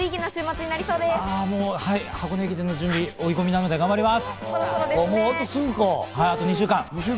箱根駅伝の準備、追い込みなので頑張ります！